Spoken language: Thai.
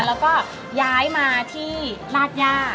แล้วก็ย้ายมาที่ราชย่า